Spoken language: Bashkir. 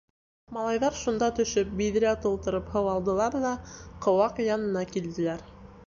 Малайҙар шунда төшөп, биҙрә тултырып һыу алдылар ҙа, ҡыуаҡ янына килделәр...